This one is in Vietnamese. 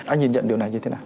anh nhận điều này như thế nào